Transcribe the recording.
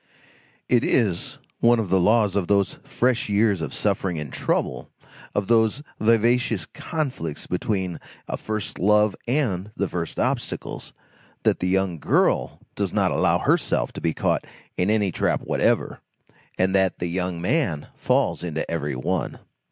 It is one of the laws of those fresh years of suffering and trouble, of those vivacious conflicts between a first love and the first obstacles, that the young girl does not allow herself to be caught in any trap whatever, and that the young man falls into every one.